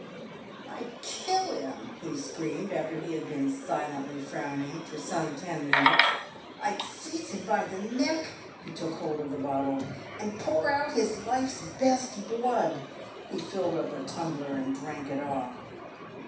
" I'd kill him !" he screamed, after he had been silently frown ing for some ten minutes. " I'd seize him by the neck" — he took hold of the bottle — "and pour out his life's best blood" — he filled up a tumbler and drank it off.